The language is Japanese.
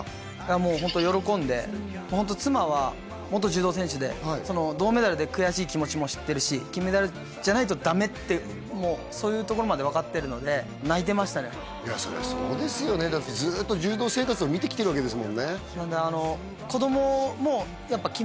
もうホント喜んでホント妻は元柔道選手で銅メダルで悔しい気持ちも知ってるしってそういうところまで分かってるのでそりゃそうですよねだってずっと柔道生活を見てきてるわけですもんね